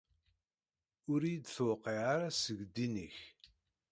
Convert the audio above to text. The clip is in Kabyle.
Ur iyi-d-tewqiɛ ara seg ddin-ik.